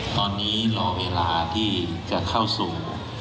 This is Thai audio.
ตอนนี้รอเวลาที่จะเข้าสู่